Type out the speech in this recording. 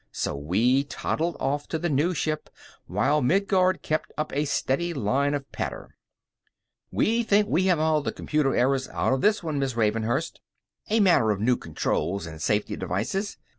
So we toddled off to the new ship while Midguard kept up a steady line of patter. "We think we have all the computer errors out of this one, Miss Ravenhurst. A matter of new controls and safety devices.